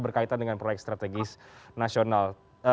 berkaitan dengan proyek strategis nasional